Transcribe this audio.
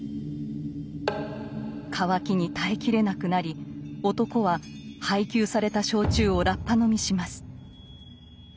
渇きに耐えきれなくなり男は配給された焼酎をラッパ飲みします。